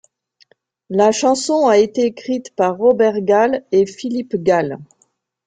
La chanson a été écrite par Robert Gall et Philippe Gall.